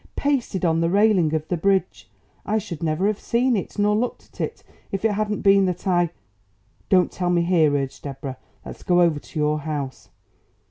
"Pasted on the railing of the bridge. I should never have seen it, nor looked at it, if it hadn't been that I " "Don't tell me here," urged Deborah. "Let's go over to your house.